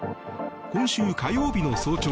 今週火曜日の早朝